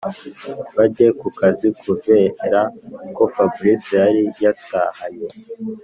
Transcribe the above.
bajye kukazi kuvera ko fabric yari yatahanye